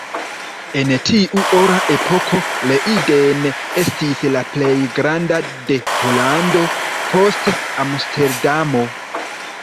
En tiu Ora Epoko, Leiden estis la plej granda de Holando, post Amsterdamo.